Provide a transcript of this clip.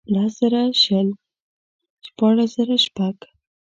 لس زره شل ، شپاړس زره شپږ.